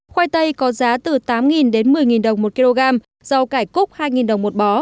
khoai tây có giá từ tám đến một mươi đồng một kg rau cải cúc hai đồng một bó